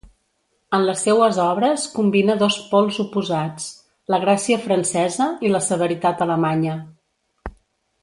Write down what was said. En les seues obres combina dos pols oposats: la gràcia francesa i la severitat alemanya.